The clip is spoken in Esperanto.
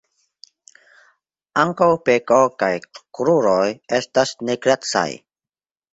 Ankaŭ beko kaj kruroj estas nigrecaj.